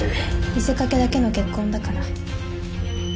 見せかけだけの結婚だから。